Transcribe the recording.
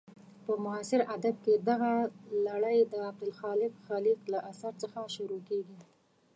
په معاصر ادب کې دغه لړۍ د عبدالخالق خلیق له اثر څخه شروع کېږي.